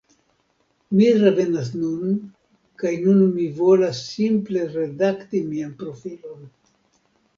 Mi revenas nun kaj nun mi volas simple redakti mian profilon